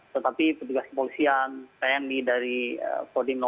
tetapi petugas kepolisian tni dari podino